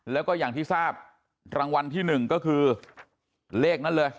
แล้วก็อย่างที่ทราบรางวัลที่๑ก็คือเลขนั้นเลย